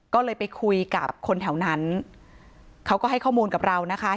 ก็เลยไปคุยกับคนแถวนั้นเขาก็ให้ข้อมูลกับเรานะคะ